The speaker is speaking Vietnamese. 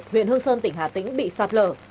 huyện hương sơn tỉnh hà tĩnh bị sạt lở